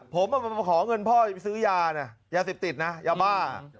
ผมมาขอเงินพ่อจะไปซื้อยานะยาเสพติดนะยาบ้า